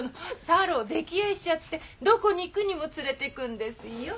太郎を溺愛しちゃってどこに行くにも連れてくんですよ。